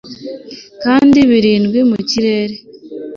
Kandi barindwi mu kirere